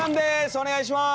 お願いします！